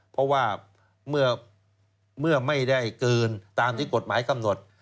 เพราะว่าเมื่อไม่ได้เกินตามที่กฎหมายกำหนด